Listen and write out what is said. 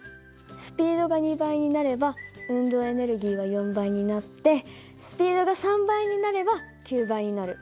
スピードが２倍になれば運動エネルギーは４倍になってスピードが３倍になれば９倍になる。